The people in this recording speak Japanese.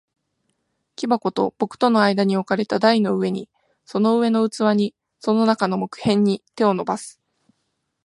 木箱と僕との間に置かれた台の上に、その上の器に、その中の木片に、手を伸ばす。